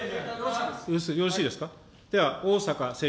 よろしいですか。